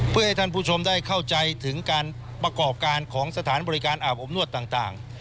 เพื่อให้ท่านผู้ชมได้เข้าใจถึงการประกอบการของสถานบริการอาบอบนวดต่าง